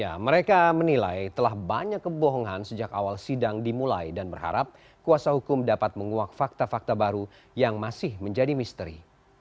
ya mereka menilai telah banyak kebohongan sejak awal sidang dimulai dan berharap kuasa hukum dapat menguak fakta fakta baru yang masih menjadi misteri